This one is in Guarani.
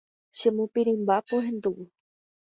Chemopirĩmba pohendúvo.